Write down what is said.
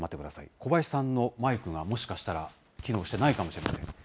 小林さんのマイクがもしかしたら、機能してないかもしれません。